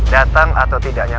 dateng atau tidaknya